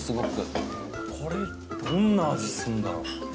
高岸：これどんな味するんだろう？